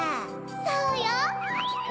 そうよ！